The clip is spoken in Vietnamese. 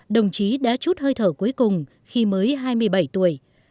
đồng chí đã chút hơi thở cuối cùng khi mới hai mươi bảy tuổi